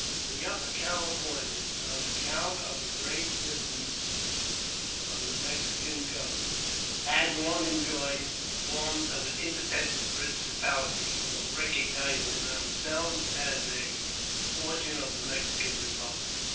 THE Upper Californians, on account of their great distance from the Mexican government, had long enjoyed the forms of an independent principahty, although recognizing themselves as a portion of the Mexican Republic.